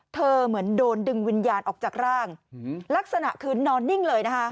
เหมือนโดนดึงวิญญาณออกจากร่างลักษณะคือนอนนิ่งเลยนะคะ